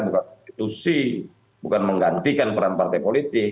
bukan konstitusi bukan menggantikan peran partai politik